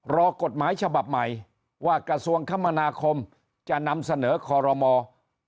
รอกฎหมายฉบับใหม่ว่ากระทรวงคมนาคมจะนำเสนอคอรมอล์